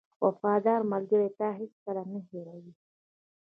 • وفادار ملګری تا هېڅکله نه هېروي.